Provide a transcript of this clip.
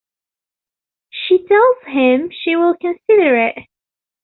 She tells him she will consider it.